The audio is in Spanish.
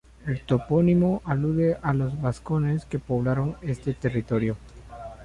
El topónimo alude a los vascones, que poblaron este territorio.